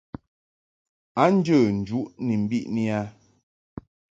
A njə njuʼ ni mbiʼni a.